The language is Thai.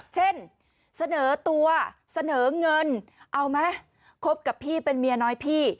เสนอตัวเสนอเงินเอาไหมคบกับพี่เป็นเมียน้อยพี่